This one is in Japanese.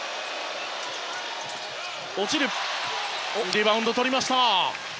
リバウンドとりました。